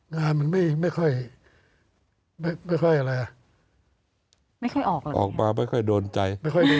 งามันไม่ค่อยออกมาไม่ค่อยโดนใจ